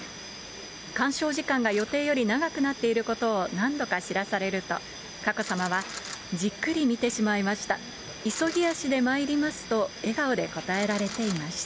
鑑賞時間が予定より長くなっていることを何度か知らされると、佳子さまはじっくり見てしまいました。